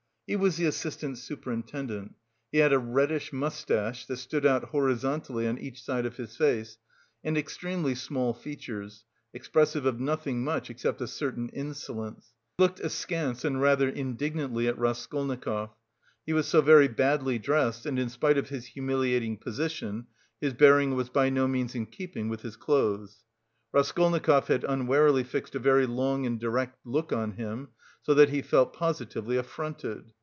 He was the assistant superintendent. He had a reddish moustache that stood out horizontally on each side of his face, and extremely small features, expressive of nothing much except a certain insolence. He looked askance and rather indignantly at Raskolnikov; he was so very badly dressed, and in spite of his humiliating position, his bearing was by no means in keeping with his clothes. Raskolnikov had unwarily fixed a very long and direct look on him, so that he felt positively affronted.